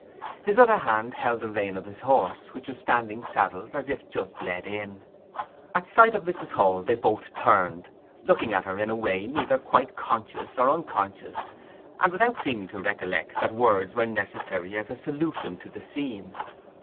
His other hand held the rein of his horse, which was standing saddled as if just led in. At sight of Mrs. Hall they both turned, looking at her in a way neither quite conscious nor unconscious, and without seeming to recollect that words were necessary as a solution to the scene.